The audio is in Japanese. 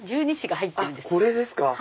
あっこれですか！